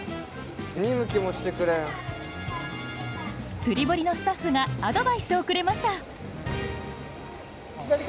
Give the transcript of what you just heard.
釣堀のスタッフがアドバイスをくれました